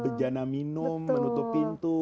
bejana minum menutup pintu